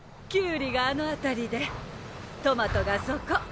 キュウリがあの辺りでトマトがそこ。